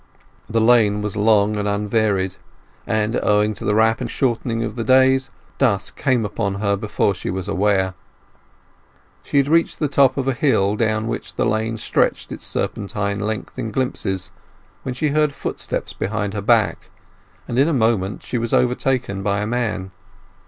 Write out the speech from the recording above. The lane was long and unvaried, and, owing to the rapid shortening of the days, dusk came upon her before she was aware. She had reached the top of a hill down which the lane stretched its serpentine length in glimpses, when she heard footsteps behind her back, and in a few moments she was overtaken by a man.